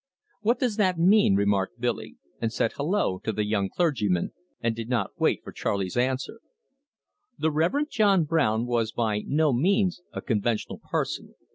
"What does that mean?" remarked Billy, and said "Hello!" to the young clergyman, and did not wait for Charley's answer. The Rev. John Brown was by no means a conventional parson.